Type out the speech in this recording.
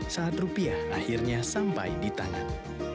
saat rupiah akhirnya sampai di tangan